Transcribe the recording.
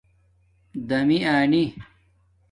دِیمی آنی